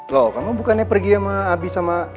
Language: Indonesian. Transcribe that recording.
loh kamu bukannya pergi sama abi sama